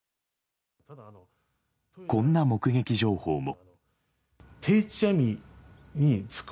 こんな目撃情報も。